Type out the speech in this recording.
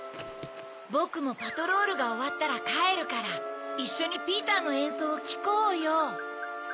ボクもパトロールがおわったらかえるからいっしょにピーターのえんそうをきこうよ。